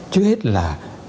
trước hết là